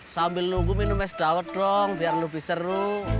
sambil nunggu minum es dawet dong biar lebih seru